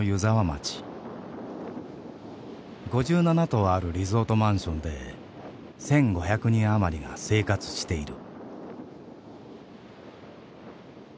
５７棟あるリゾートマンションで１５００人余りが生活している。